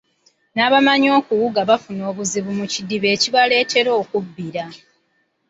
N'abamanyi okuwuga bafuna obuzibu mu kidiba ekibaleetera okubbira.